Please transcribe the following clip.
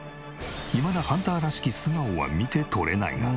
いまだハンターらしき素顔は見て取れないが。